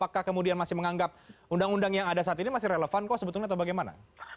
apakah kemudian masih menganggap undang undang yang ada saat ini masih relevan kok sebetulnya atau bagaimana